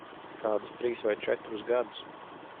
Kādus trīs vai četrus gadus.